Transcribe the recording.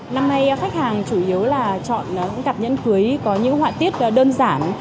năm nay khách hàng chủ yếu là chọn những cặp nhẫn cưới có những họa tiết đơn giản